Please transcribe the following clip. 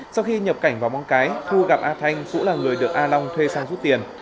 sau khi nhập cảnh vào móng cái thu gặp a thanh cũng là người được a long thuê sang rút tiền